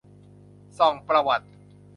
ส่องประวัติ